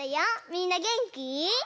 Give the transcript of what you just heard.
みんなげんき？